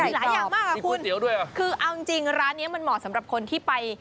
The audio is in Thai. มีหลายอย่างมากค่ะคุณมีก๋วยเตี๋ยวด้วยอ่ะคือเอาจริงร้านเนี้ยมันเหมาะสำหรับคนที่ไป